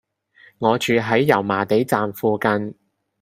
我住喺油麻地站附近